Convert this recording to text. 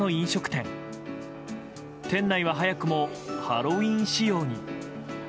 店内は早くもハロウィーン仕様に。